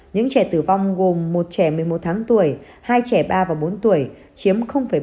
những trẻ tử vong gồm một trẻ một mươi một tháng tuổi hai trẻ ba và bốn tuổi chiếm một